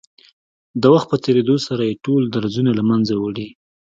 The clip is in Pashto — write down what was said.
د وخت په تېرېدو سره يې ټول درځونه له منځه وړي.